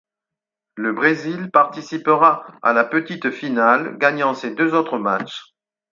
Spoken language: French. Le Brésil participera à la petite finale gagnant ses deux autres matchs.